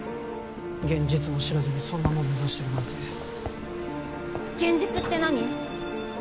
現実も知らずにそんなもん目指してるなんて現実って何？